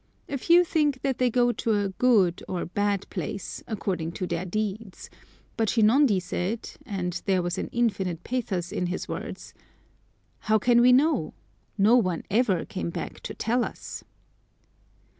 A few think that they go to "a good or bad place," according to their deeds; but Shinondi said, and there was an infinite pathos in his words, "How can we know? No one ever came back to tell us!"